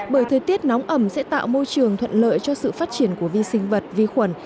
bởi thời tiết nóng ẩm sẽ tạo môi trường thuận lợi cho sự phát triển của vi sinh vật vi khuẩn